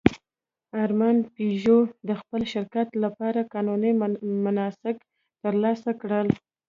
ارمان پيژو د خپل شرکت لپاره قانوني مناسک ترسره کړل.